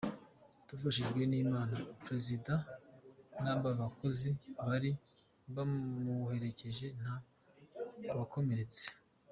Dufashijwe n’Imana, Perezida n’aba bakozi bari bamuherekeje nta wakomeretse.